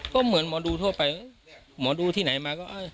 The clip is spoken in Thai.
ก็เหมือนหมอดูทั่วไปหมอดูที่ไหนมาก็